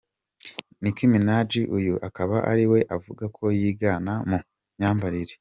na Nicki Minaji, uyu akaba ari we avuga ko yigana mu myambarire.